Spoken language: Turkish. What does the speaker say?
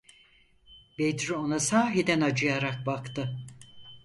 Bedri ona sahiden acıyarak baktı.